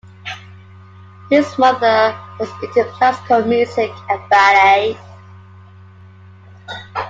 His mother was into classical music and ballet.